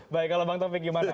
baik kalau bang taufik gimana